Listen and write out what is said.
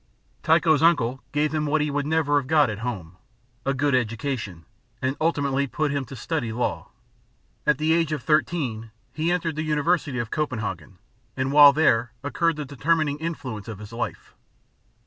Tycho's uncle gave him what he would never have got at home a good education; and ultimately put him to study law. At the age of thirteen he entered the University of Copenhagen, and while there occurred the determining influence of his life.